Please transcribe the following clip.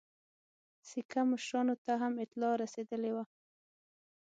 سیکه مشرانو ته هم اطلاع رسېدلې وه.